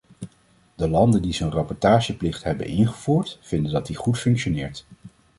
De landen die zo’n rapportageplicht hebben ingevoerd, vinden dat die goed functioneert.